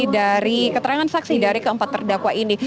dari keterangan saksi dari keempat terdakwa ini